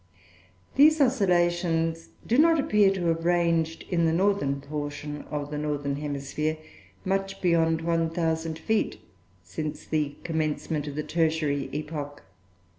These oscillations do not appear to have ranged, in the Northern portion of the Northern Hemisphere, much beyond 1,000 feet since the commencement of the Tertiary Epoch.